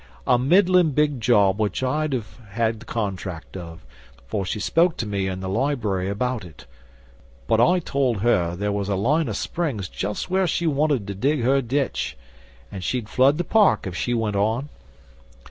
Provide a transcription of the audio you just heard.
A middlin' big job which I'd have had the contract of, for she spoke to me in the library about it. But I told her there was a line o' springs just where she wanted to dig her ditch, an' she'd flood the park if she went on.